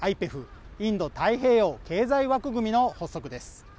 ＩＰＥＦ＝インド太平洋経済枠組みの発足です